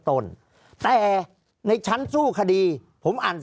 ภารกิจสรรค์ภารกิจสรรค์